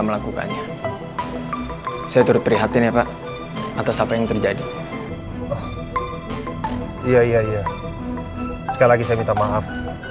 melakukannya saya turut prihatin ya pak atas apa yang terjadi iya iya sekali lagi saya minta maaf